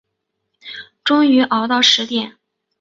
终于熬到十点